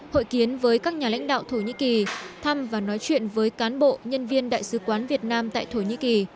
hội kiến với các nhà lãnh đạo thổ nhĩ kỳ thăm và nói chuyện với cán bộ nhân viên đại sứ quán việt nam tại thổ nhĩ kỳ